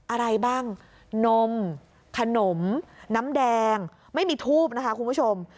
อะไรบ้างนมขนมน้ำแดงไม่มีทูบนะคะคุณผู้ชม